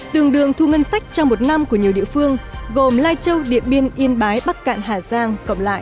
tương đương thu ngân sách trong một năm của nhiều địa phương gồm lai châu điện biên yên bái bắc cạn hà giang cộng lại